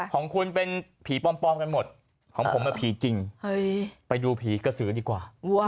ของคุณเป็นผีปลอมกันหมดของผมผีจริงไปดูผีกระสือดีกว่า